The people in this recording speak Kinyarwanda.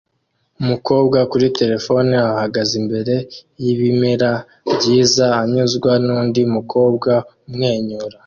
Umukobwa kuri terefone ahagaze imbere yibimera byiza anyuzwa nundi mukobwa umwenyura